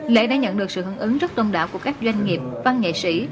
lễ đã nhận được sự hứng ứng rất đông đảo của các doanh nghiệp văn nghệ sĩ